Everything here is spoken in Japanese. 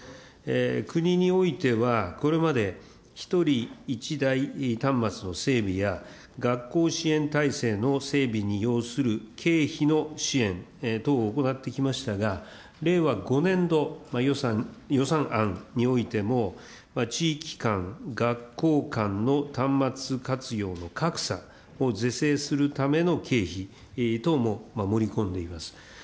国においては、これまで１人１台端末の整備や、学校支援体制の整備に要する経費の支援等を行ってきましたが、令和５年度予算案においても、地域間、学校間の端末活用の格差を是正するための経費等も盛り込んでいます。